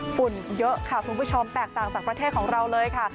ฝุ่นเยอะค่ะคุณผู้ชมแตกต่างจากประเทศของเราเลยค่ะ